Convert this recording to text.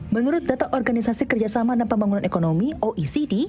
menurut data organisasi kerjasama dan pembangunan ekonomi oecd